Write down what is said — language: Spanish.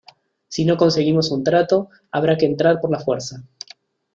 Si no conseguimos un trato habrá que entrar por la fuerza.